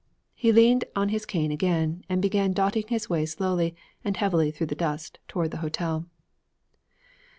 He leaned on his cane again and began dotting his way slowly and heavily through the dust toward the hotel.